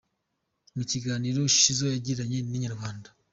Mu kiganiro Shizzo yagiranye na Inyarwanda.